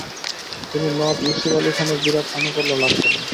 তিনি নওয়াব ইউসুফ আলী খানের বিরাট আনুকুল্য লাভ করেন।